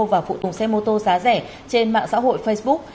và phụ tùng xe mô tô giá rẻ trên mạng xã hội facebook